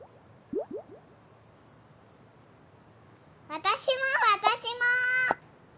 わたしもわたしも。